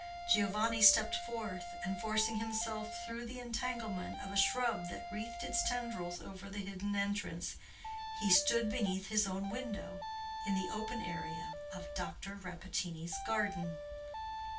Giovanni stepped forth, and, forcing himself through the entanglement of a shrub that wreathed its tendrils over the hidden entrance, stood beneath his own window in the open area of Dr. Rappaccini's garden.